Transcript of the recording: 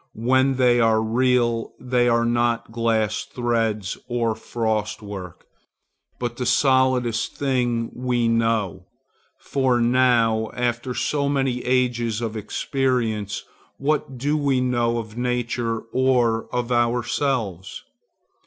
When they are real, they are not glass threads or frostwork, but the solidest thing we know. For now, after so many ages of experience, what do we know of nature or of ourselves?